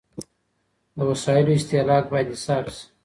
د وسايلو استهلاک بايد حساب سي.